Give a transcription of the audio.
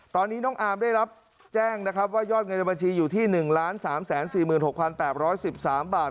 ตอนนี้น้องอาร์มได้รับแจ้งนะครับว่ายอดเงินในบัญชีอยู่ที่๑๓๔๖๘๑๓บาท